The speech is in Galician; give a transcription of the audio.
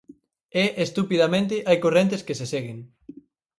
E, estupidamente, hai correntes que se seguen.